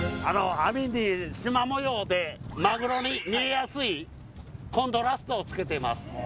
網にしま模様でマグロに見えやすいコントラストをつけています。